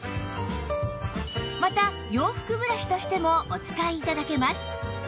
また洋服ブラシとしてもお使い頂けます